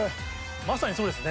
まさにそうですね。